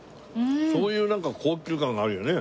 そういうなんか高級感があるよね。